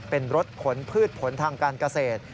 เป็นรถขนพืชผลทางการเกษตร